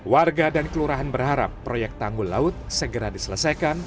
warga dan kelurahan berharap proyek tanggul laut segera diselesaikan